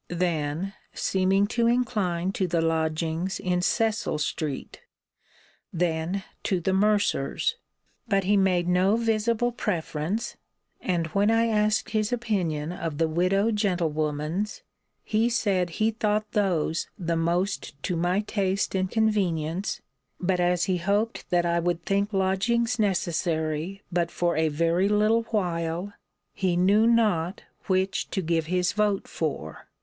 Then seeming to incline to the lodgings in Cecil street Then to the mercer's. But he made no visible preference; and when I asked his opinion of the widow gentlewoman's, he said he thought those the most to my taste and convenience: but as he hoped that I would think lodgings necessary but for a very little while, he knew not which to give his vote for.